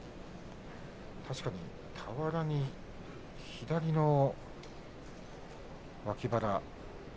確かに俵に左の脇腹が。